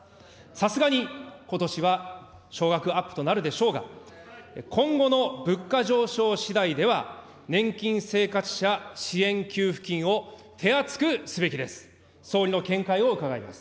さすがに、ことしは、少額アップとなるでしょうが、今後の物価上昇しだいでは、年金生活者支援給付金を手厚くすべきです。